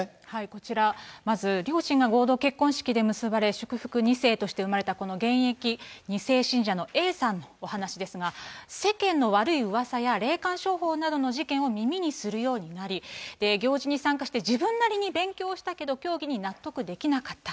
こちら、まず両親が合同結婚式で結ばれ、祝福２世として生まれたこの現役２世信者のＡさんのお話ですが、世間の悪いうわさや霊感商法などの事件を耳にするようになり、行事に参加して自分なりに勉強をしたけど、教義に納得できなかった。